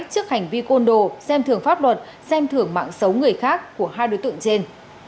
trước hành vi côn đồ xem thường pháp luật xem thưởng mạng xấu người khác của hai đối tượng trên